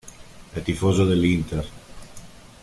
È tifoso dell'.